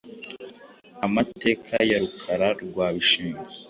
Amateka ya Rukara rwa Bishingwe